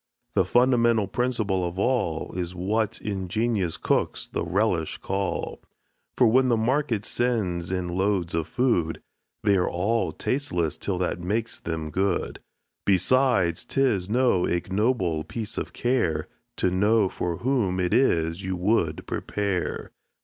The fundamental principle of all Is what ingenious cooks the relish call; For when the market sends in loads of food, They all are tasteless till that makes them good. Besides, 'tis no ignoble piece of care, To know for whom it is you would prepare.